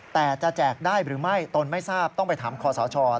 แต่จะแจกได้หรือไม่ตนไม่ทราบต้องไปถามคอสช